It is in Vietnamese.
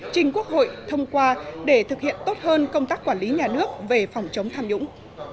trình quốc hội thông qua để thực hiện tốt hơn công tác quản lý nhà nước về phòng chống tham nhũng